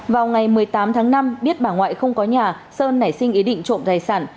vào ngày một mươi tám tháng năm biết bà ngoại không có nhà sơn nảy sinh ý định trộm tài sản